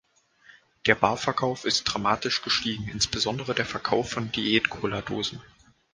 Der Barverkauf ist dramatisch gestiegen, insbesondere der Verkauf von Diät-Cola-Dosen.